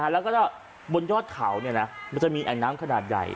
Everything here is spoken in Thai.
แล้วก็บนยอดเขามันจะมีแอ่งน้ำขนาดใหญ่